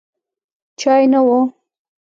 چای نه و.